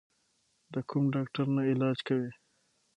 د کوم ډاکټر نه علاج کوې؟